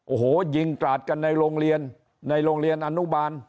โอ้โหยิงกราดกันในโรงเรียนในโรงเรียนอนุบาล